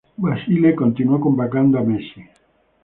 Basile continuó convocando a Messi.